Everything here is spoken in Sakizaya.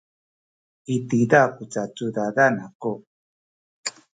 i tiza ku cacudadan aku.